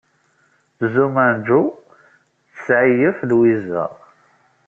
Tzumma n Joe tesɛiyef Louisa.